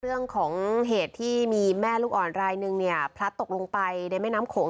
เรื่องของเหตุที่มีแม่ลูกอ่อนรายนึงเนี่ยพลัดตกลงไปในแม่น้ำโขง